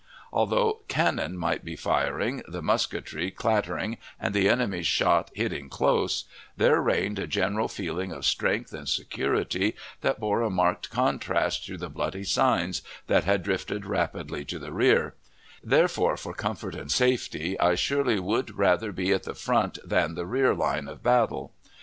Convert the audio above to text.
Although cannon might be firing, the musketry clattering, and the enemy's shot hitting close, there reigned a general feeling of strength and security that bore a marked contrast to the bloody signs that had drifted rapidly to the rear; therefore, for comfort and safety, I surely would rather be at the front than the rear line of battle.